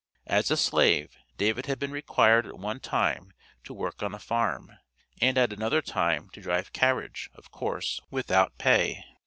As a slave, David had been required at one time to work on a farm, and at another time to drive carriage, of course, without pay.